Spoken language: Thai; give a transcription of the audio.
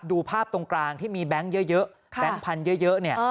ดูภาพตรงกลางที่มีแบงค์เยอะเยอะค่ะแบงค์พันธุ์เยอะเยอะเนี้ยเออ